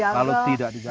kalau tidak dijaga